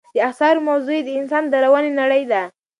د اثارو موضوع یې د انسان دروني نړۍ ده.